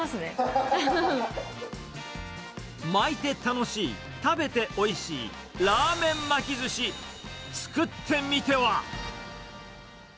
巻いて楽しい、食べておいしい、ラーメン巻きずし、作ってみては？